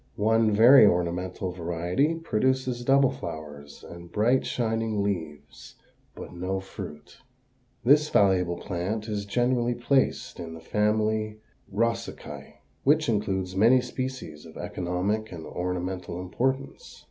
One very ornamental variety produces double flowers and bright, shining leaves, but no fruit. This valuable plant is generally placed in the family Rosaceæ, which includes many species of economic and ornamental importance.